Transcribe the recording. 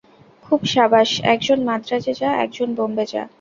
খুব সাবাস! একজন মান্দ্রাজে যা, একজন বোম্বে যা।